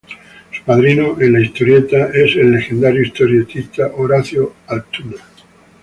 Su padrino en la historieta es el legendario historietista Horacio Altuna.